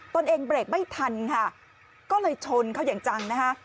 ตัวเองเบรกไม่ทันค่ะก็เลยชนเขาอย่างจังนะคะ